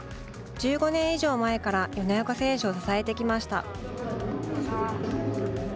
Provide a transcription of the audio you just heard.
１５年以上前から米岡選手を支えてきました。